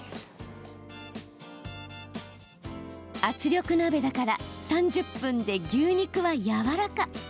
圧力鍋だから、３０分で牛肉はやわらか。